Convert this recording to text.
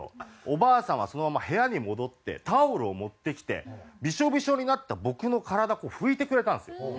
おばあさんはそのまま部屋に戻ってタオルを持ってきてビショビショになった僕の体こう拭いてくれたんですよ。